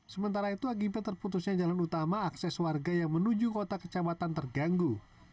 sementara itu akibat terputusnya jalan utama akses warga yang menuju kota kecamatan terganggu